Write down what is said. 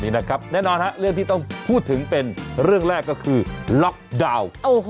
แน่นอนเรื่องที่ต้องพูดถึงเป็นเรื่องแรกก็คือล็อกดาวน์